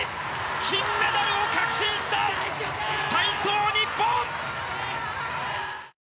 金メダルを確信した体操日本！